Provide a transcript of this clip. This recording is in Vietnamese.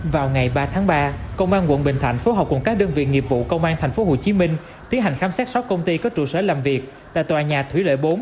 vào ngày ba tháng ba công an quận bình thạnh phối hợp cùng các đơn vị nghiệp vụ công an tp hcm tiến hành khám xét sáu công ty có trụ sở làm việc tại tòa nhà thủy lợi bốn